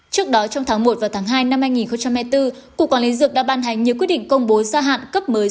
trước đó trong tháng một và tháng hai năm hai nghìn hai mươi bốn cục quản lý dược đã ban hành nhiều quyết định công bố gia hạn cấp mới